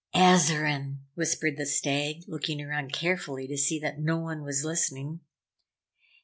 "Azarine!" whispered the Stag, looking around carefully to see that no one was listening.